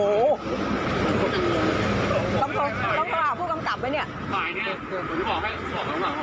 มองโทรหาผู้กำกรรมไหมเนี่ย